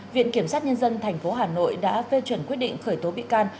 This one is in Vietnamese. viện kiểm sát nhân dân tp hà nội đã phê chuẩn quyết định khởi tố bị can